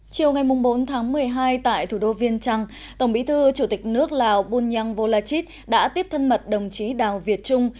chiều ngày bốn tháng một mươi hai tại thủ đô viên trăng tổng bí thư chủ tịch nước lào bunyang volachit đã tiếp thân mật đồng chí đào việt trung